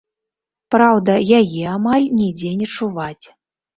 Праўда, яе амаль нідзе не чуваць.